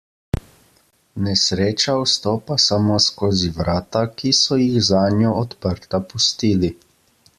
Nesreča vstopa samo skozi vrata, ki so jih zanjo odprta pustili.